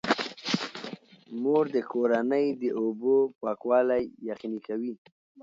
مور د کورنۍ د اوبو پاکوالی یقیني کوي.